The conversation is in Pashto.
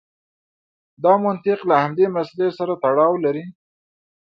دا منطق له همدې مسئلې سره تړاو لري.